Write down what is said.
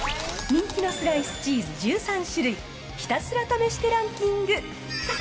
人気のスライスチーズ１３種類ひたすら試してランキング。